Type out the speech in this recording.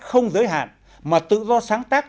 không giới hạn mà tự do sáng tác